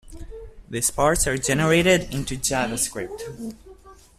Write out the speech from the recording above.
These parts are generated into JavaScript.